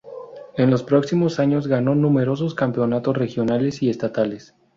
En los próximos años, ganó numerosos campeonatos regionales y estatales.